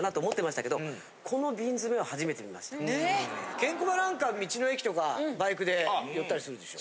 ケンコバなんか道の駅とかバイクで寄ったりするでしょ？